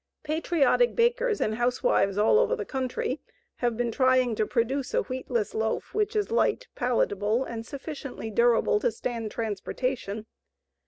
Patriotic bakers and housewives all over the country have been trying to produce a wheatless loaf which is light, palatable, and sufficiently durable to stand transportation.